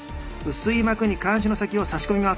薄い膜に鉗子の先をさし込みます。